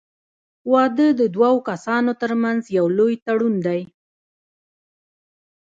• واده د دوه کسانو تر منځ یو لوی تړون دی.